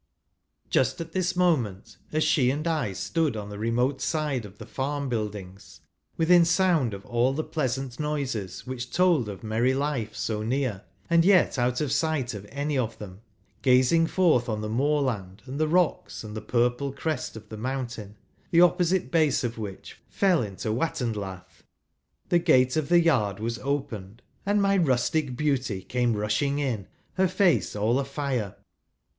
Just at this moment — as she and I stood on the remote side of the farm buildings, within sound of all the pleasant noises which told of merry life so near, and yet out ot sight of any of them,, gazing forth on the moorland and the rocks, and the purple crest of the mountain, the opposite base of which fell into Watendlath — the gate of the yard was opened, and my rustic beauty came rushing in, her face all a fire.